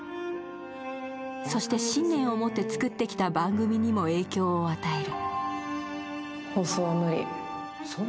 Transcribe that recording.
そして信念を持って作ってきた番組にも影響を与える。